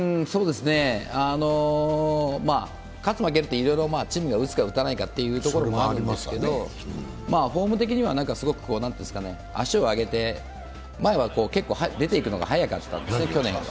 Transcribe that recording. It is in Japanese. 勝つ負けというのはチームが打つか打たないかってところもあるんですけれども、フォーム的には足を上げて、前は結構出ていくのが早かったんですね、去年は。